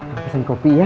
aku pesen kopi ya